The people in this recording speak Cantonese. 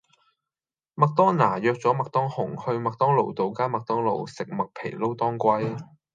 麥當娜約左麥當雄去麥當勞道個間麥當勞食麥皮撈當歸